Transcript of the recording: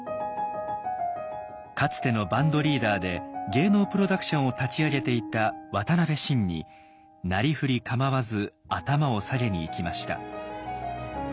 かつてのバンドリーダーで芸能プロダクションを立ち上げていた渡辺晋になりふり構わず頭を下げに行きました。